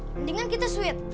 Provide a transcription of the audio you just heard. mendingan kita sweet